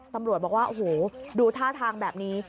ตำรวจบอกว่าโอ้โหดูท่าทางแบบนี้